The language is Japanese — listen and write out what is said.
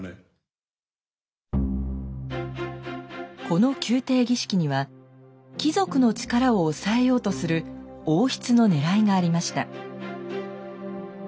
この宮廷儀式には貴族の力を抑えようとする王室のねらいがありました。